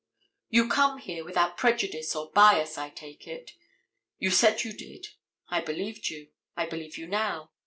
You come here without prejudice or bias, I take it. You said you did. I believed you. I believe you now.